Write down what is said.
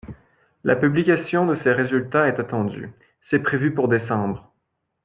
La publication de ses résultats est attendue, c’est prévu pour décembre.